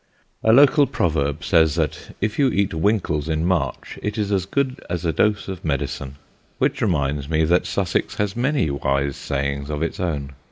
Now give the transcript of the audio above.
A local proverb says that if you eat winkles in March it is as good as a dose of medicine; which reminds me that Sussex has many wise sayings of its own.